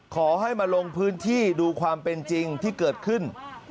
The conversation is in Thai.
ขอให้มาลงพื้นที่ดูความเป็นจริงที่เกิดขึ้น